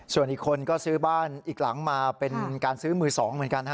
ส่วนอีกคนก็ซื้อบ้านอีกหลังมาเป็นการซื้อมือสองเหมือนกัน